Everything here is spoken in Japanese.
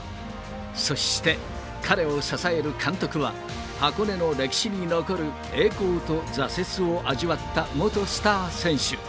そして、彼を支える監督は、箱根の歴史に残る栄光と挫折を味わった元スター選手。